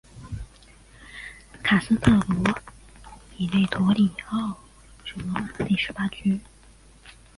卡斯特罗比勒陀里奥是罗马的第十八区。